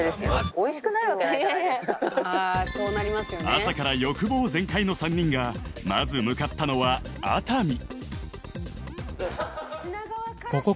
［朝から欲望全開の３人がまず向かったのは熱海］